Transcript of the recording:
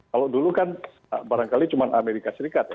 kalau dulu kan barangkali cuma amerika serikat ya